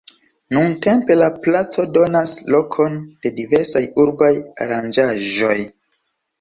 Nuntempe la placo donas lokon de diversaj urbaj aranĝaĵoj.